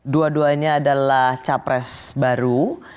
dua duanya adalah capres baru